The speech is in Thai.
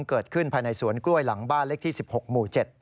เกิดขึ้นภายในสวนกล้วยหลังบ้านเลขที่๑๖หมู่๗